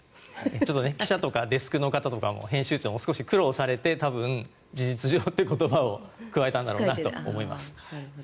ちょっと記者とかデスクの方とか編集長も少し苦労されて事実上という言葉を加えたんだろうなと思います。